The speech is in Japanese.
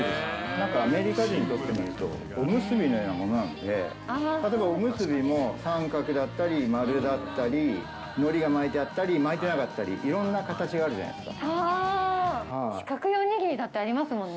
なんかアメリカ人にとってみると、おむすびのようなものなので、例えばおむすびも、三角だったり、丸だったり、のりが巻いてあったり、巻いてなかったり、いろんな形があるじゃあー、四角いお握りだってありますもんね。